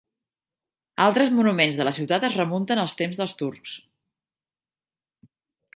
Altres monuments de la ciutat es remunten als temps dels turcs.